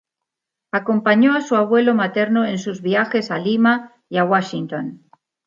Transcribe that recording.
Acompañó a su abuelo materno en sus viajes a Lima y a Washington.